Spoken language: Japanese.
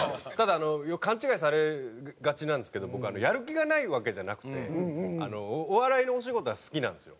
ただあの勘違いされがちなんですけど僕やる気がないわけじゃなくてお笑いのお仕事は好きなんですよ。